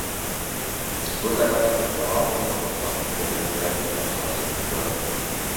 بۇ دەرەخ خۇددى ئادەم قورساق كۆتۈرگەندەك قورساق سېلىپتۇ.